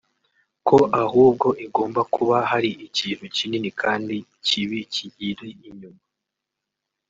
ko ahubwo igomba kuba hari ikintu kinini kandi kibi kiyiri inyuma